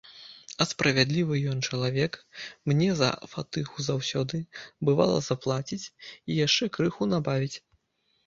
А справядлівы ён чалавек, мне за фатыгу заўсёды, бывала, заплаціць і яшчэ крыху набавіць.